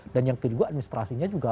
dan yang kedua administrasinya juga